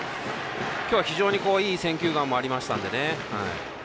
今日は非常にいい選球眼もありましたので。